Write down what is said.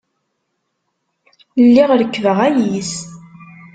Lliɣ rekkbeɣ ayis.